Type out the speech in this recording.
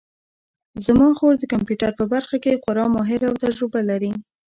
زما خور د کمپیوټر په برخه کې خورا ماهره او تجربه لري